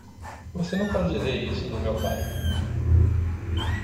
Você não pode dizer isso do meu pai!